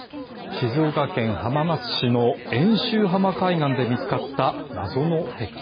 静岡県浜松市の遠州浜海岸で見つかった謎の鉄球